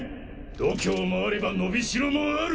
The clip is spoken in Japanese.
度胸もあれば伸びしろもある！